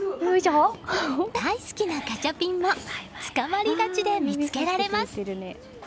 大好きなガチャピンもつかまり立ちで見つけられます。